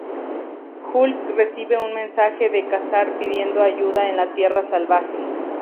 Hulk recibe un mensaje de Ka-Zar pidiendo ayuda en la Tierra Salvaje.